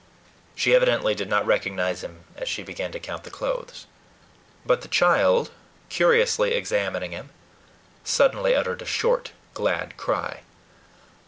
She evidently did not recognize him as she began to count the clothes. But the child, curiously examining him, suddenly uttered a short, glad cry.